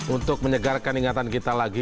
untuk menyegarkan ingatan kita lagi